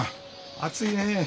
暑いねえ。